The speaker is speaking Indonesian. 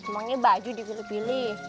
emangnya baju dipilih pilih